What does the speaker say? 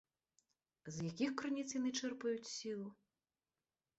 З якіх крыніц яны чэрпаюць сілу?